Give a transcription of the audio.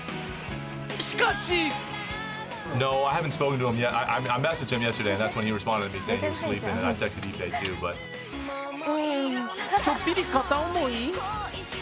しかしちょっぴり片思い？